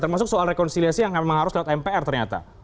termasuk soal rekonsiliasi yang memang harus lewat mpr ternyata